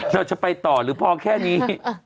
เราจะไปต่อหรือพอแค่นี้